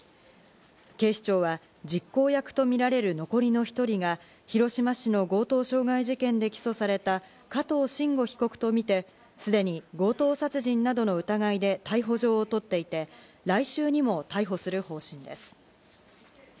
警視庁は実行役とみられる残りの１人が広島市の強盗傷害事件で起訴された加藤臣吾被告とみて、すでに強盗殺人の疑いで逮捕状を取っていて、来週にも逮捕する方針です。